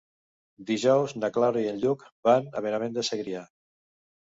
Dijous na Clara i en Lluc van a Benavent de Segrià.